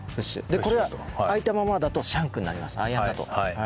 これは開いたままだとシャンクになりますアイアンだと。